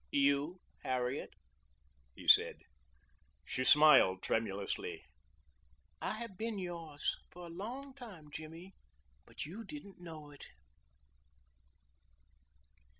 "You, Harriet," he said. She smiled tremulously. "I have been yours for a long time, Jimmy, but you didn't know it."